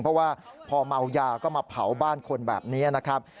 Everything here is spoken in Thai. เพราะว่าพอเมายาก็มาเผาบ้านคนแบบนี้นะครับ